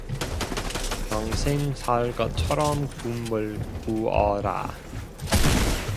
평생 살 것처럼 꿈을 꾸어라.